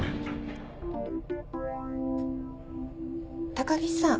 高木さん。